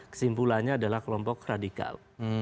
kesimpulannya adalah kelompok radikal